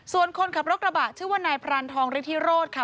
ส่วนคนขับรถกระบะชื่อว่านายพรานทองฤทธิโรธค่ะ